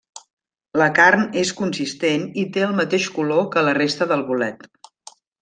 La carn és consistent i té el mateix color que la resta del bolet.